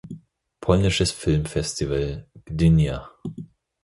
Polnisches Filmfestival Gdynia